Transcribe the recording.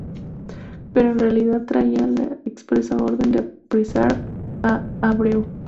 Pero en realidad traía la expresa orden de apresar a Abreu.